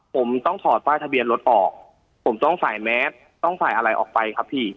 ผมต้องถอดป้ายทะเบียนรถออกผมต้องใส่แมสต้องใส่อะไรออกไปครับพี่